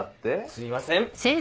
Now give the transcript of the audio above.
すいません！